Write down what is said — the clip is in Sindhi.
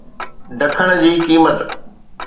ڍڪڻ جي قيمت